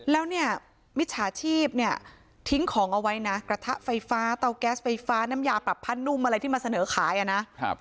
แล้วเนี่ยมิจฉาชีพเนี่ยทิ้งของเอาไว้นะกระทะไฟฟ้าเตาแก๊สไฟฟ้าน้ำยาปรับผ้านุ่มอะไรที่มาเสนอขายอ่ะนะ